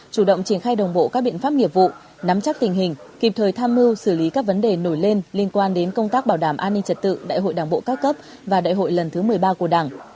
chủ động triển khai đồng bộ các biện pháp nghiệp vụ nắm chắc tình hình kịp thời tham mưu xử lý các vấn đề nổi lên liên quan đến công tác bảo đảm an ninh trật tự đại hội đảng bộ các cấp và đại hội lần thứ một mươi ba của đảng